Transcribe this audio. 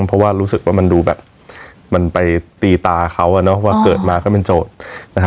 เพราะว่ารู้สึกว่ามันมาตีตาเขาก็เป็นโจทย์